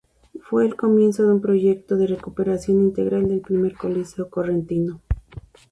Fue el comienzo de un proyecto de recuperación integral del primer coliseo correntino.